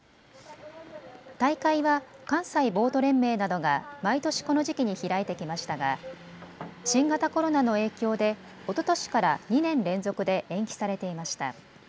大会は関西ボート連盟などが毎年この時期に開いてきましたが新型コロナの影響でおととしから２年連続で延期されていました。